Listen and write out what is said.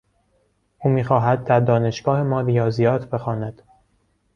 او میخواهد در دانشگاه ما ریاضیات بخواند.